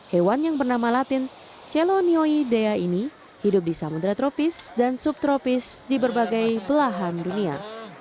hewan yang bernama latin celonioidea ini hidup di samudera tropis dan subtropis di berbagai belahan dunia